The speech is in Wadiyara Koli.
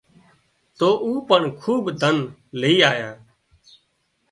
تو او پڻ کوٻ ڌن لائينَ آيا